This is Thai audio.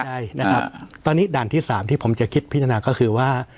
ใช่นะครับตอนนี้ด่านที่สามที่ผมจะคิดพิจารณาก็คือว่า